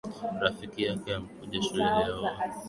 Rafiki yako amekuja shule leo?